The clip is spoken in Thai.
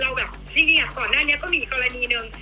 เราแบบค่ะจริงอะก่อนด้านเนี้ยก็มีกรณีหนึ่ง